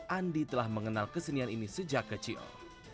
andi telah mengenal kesenian ini sejak kecil